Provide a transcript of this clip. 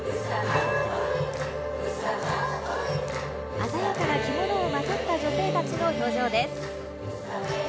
鮮やかな着物をまとった女性たちの登場です。